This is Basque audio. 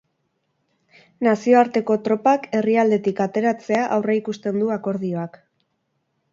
Nazioarteko tropak herrialdetik ateratzea aurreikusten du akordioak.